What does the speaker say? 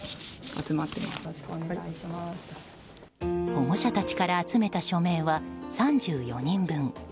保護者たちから集めた署名は３４人分。